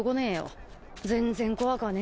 全然怖かねえし。